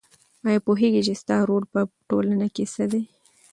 آیا پوهېږې چې ستا رول په ټولنه کې څه دی؟